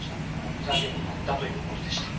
ふざけてやったということでした。